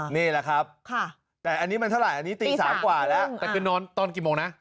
นี่แหละครับแต่อันนี้มันเท่าไหร่อันนี้ตี๓กว่าแล้วแต่คือนอนตอนกี่โมงนะ